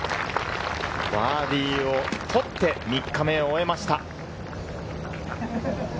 バーディーを取って３日目を終えました。